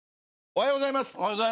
おはようございます。